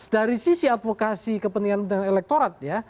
dari sisi advokasi kepentingan elektorat ya